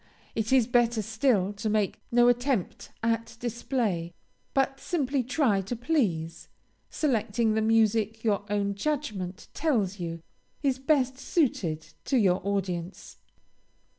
It is better still to make no attempt at display, but simply try to please, selecting the music your own judgment tells you is best suited to your audience.